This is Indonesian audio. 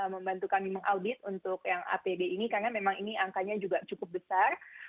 membantu kami mengaudit untuk yang apd ini karena memang ini angkanya juga cukup besar